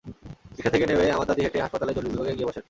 রিকশা থেকে নেমে আমার দাদি হেঁটে হাসপাতালের জরুরি বিভাগে গিয়ে বসেন।